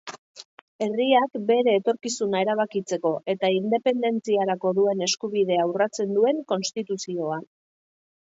Herriak bere etorkizuna erabakitzeko eta independentziarako duen eskubidea urratzen duen konstituzioa.